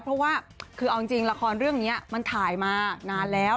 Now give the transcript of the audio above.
เพราะว่าคือเอาจริงละครเรื่องนี้มันถ่ายมานานแล้ว